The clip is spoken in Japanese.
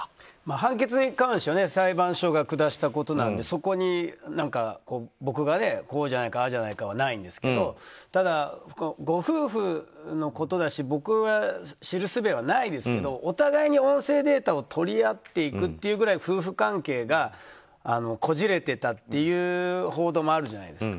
判決に関しては裁判所が下したことなのでそこに僕がこうじゃないかああじゃないかはないんですけどただ、ご夫婦のことだし僕が知るすべはないですけどお互いに音声データをとり合っていくというぐらい夫婦関係がこじれていたという報道もあるじゃないですか。